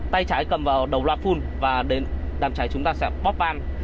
tay cháy cầm vào đầu loa phun và đàm cháy chúng ta sẽ bóp van